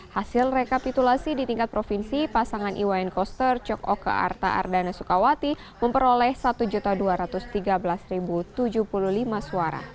hasil rekapitulasi di tingkat provinsi pasangan iwayan koster cok oka arta ardana sukawati memperoleh satu dua ratus tiga belas tujuh puluh lima suara